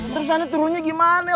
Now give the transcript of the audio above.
terus anak turunnya gimana